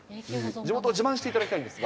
地元を自慢していただきたいんですが。